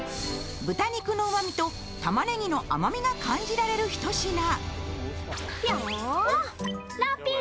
豚肉のうまみと、たまねぎの甘みが感じられるひと品。